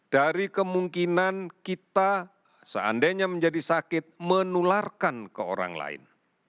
dari kemungkinan kita seandainya menjadi sakit menularkan ke orang lain